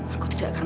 aku tidak akan